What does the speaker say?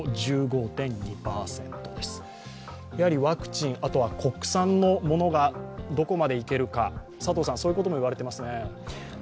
ワクチン、あとは国産のものがどこまでいけるか、そういうことも言われていますね。